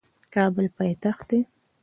کابل پایتخت دی